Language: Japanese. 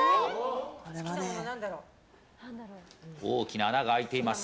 大きな穴が開いています。